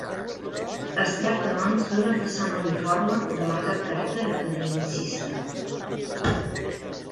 Es tracta doncs d'una façana uniforme, de marcat caràcter academicista.